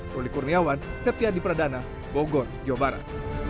ruli kurniawan septiadi pradana bogor jawa barat